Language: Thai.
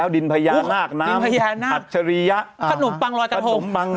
ดินพยานาคส์น้ำอัตฉรียะ